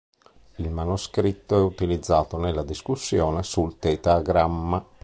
Il manoscritto è utilizzato nella discussione sul Tetragramma.